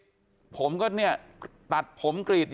ความปลอดภัยของนายอภิรักษ์และครอบครัวด้วยซ้ำ